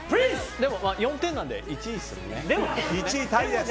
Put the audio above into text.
でも４点なんで１位ですよね。